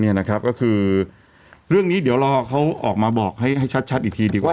นะครับก็คือเรื่องนี้เดี๋ยวรอเขาออกมาบอกให้ชัดอีกทีดีกว่า